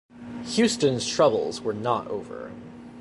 "Houston"'s troubles were not over.